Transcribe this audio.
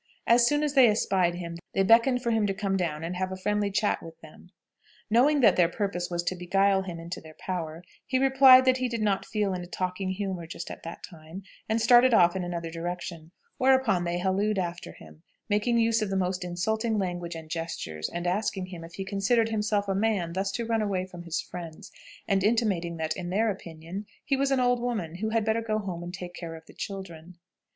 As soon as they espied him, they beckoned for him to come down and have a friendly chat with them. Knowing that their purpose was to beguile him into their power, he replied that he did not feel in a talking humor just at that time, and started off in another direction, whereupon they hallooed after him, making use of the most insulting language and gestures, and asking him if he considered himself a man thus to run away from his friends, and intimating that, in their opinion, he was an old woman, who had better go home and take care of the children.